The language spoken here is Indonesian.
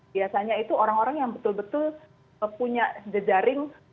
biasanya itu orang orang yang betul betul punya jejaring